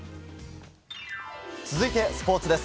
続いてスポーツです。